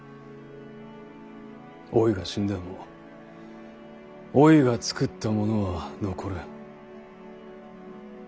おいが死んでもおいが作ったものは残る。